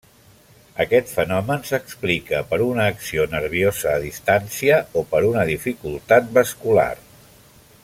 Aquest fenomen s'explica per una acció nerviosa a distància o per una dificultat vascular.